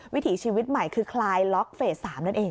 วิถีชีวิตใหม่คือคลายล็อกเฟส๓นั่นเอง